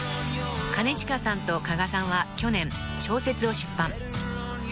［兼近さんと加賀さんは去年小説を出版］